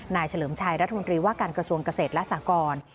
นายเฉลิมชัยรัฐมนตรีภวัฒน์กรสวนเกษตรและสากร